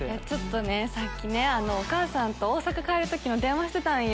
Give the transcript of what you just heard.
さっきねお母さんと大阪帰る時の電話してたんよ